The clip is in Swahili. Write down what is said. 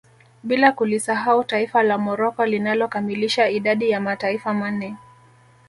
Bila kulisahau taifa la Morocco linalo kamilisha idadi ya mataifa manne